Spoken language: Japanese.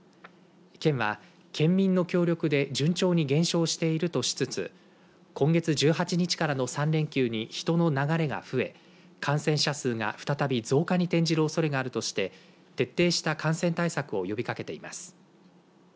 県は、県民の協力で順調に減少しているとしつつ今月１８日からの３連休に人の流れが増え感染者数が再び増加に転じるおそれがあるとして徹底した感染対策を呼びかけています。